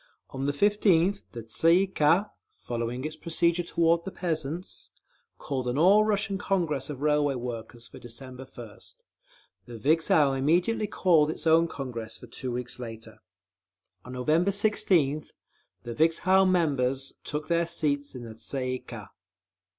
On the 15th, the Tsay ee kah, following its procedure toward the peasants, called an All Russian Congress of Railway Workers for December 1st; the Vikzhel immediately called its own Congress for two weeks later. On November 16th, the Vikzhel members took their seats in the _Tsay ee kah.